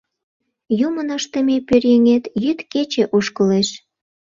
Юмын ыштыме пӧръеҥет йӱд-кече ошкылеш.